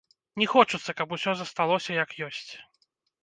Не хочацца, каб усё засталося, як ёсць.